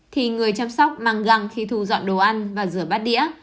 thì người chăm sóc mang găng khi thu dọn đồ ăn và rửa bát đĩa